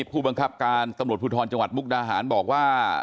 ผู้บังกับการปรูธรปรูธรจังหวานมกดาหารบอกว่า